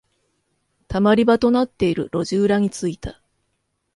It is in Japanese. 溜まり場となっている路地裏に着いた。